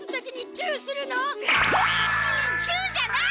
チューじゃない！